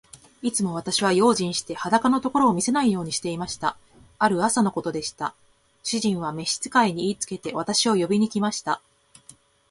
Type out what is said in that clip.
いつも私は用心して、裸のところを見せないようにしていました。ある朝のことでした。主人は召使に言いつけて、私を呼びに来ました。